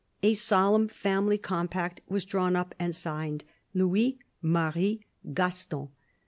A solemn family compact was drawn up and signed : Louis, Marie, Gaston.